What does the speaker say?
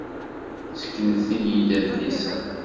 Seknet-iyi-d adlis-a!